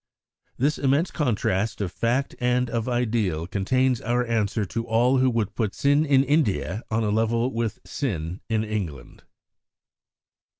This immense contrast of fact and of ideal contains our answer to all who would put sin in India on a level with sin in England.